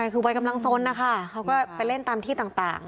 คือวัยกำลังสนนะคะเขาก็ไปเล่นตามที่ต่าง